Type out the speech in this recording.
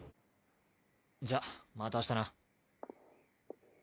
じゃまた明日な。